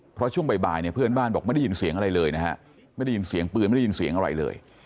พอช่วงบ่ายเพื่อนบ้านบอกไม่ได้ยินเสียงอะไรเลย